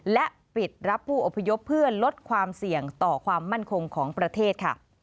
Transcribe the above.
และปิดรับผู้อพยพเพื่อลดความเสี่ยงต่อความมั่นคงของประเทศค่ะ